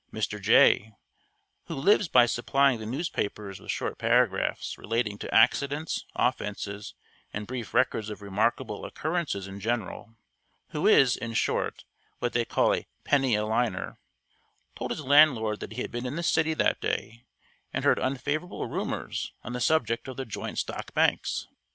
Mr. Jay (who lives by supplying the newspapers with short paragraphs relating to accidents, offenses, and brief records of remarkable occurrences in general who is, in short, what they call a penny a liner) told his landlord that he had been in the city that day and heard unfavorable rumors on the subject of the joint stock banks.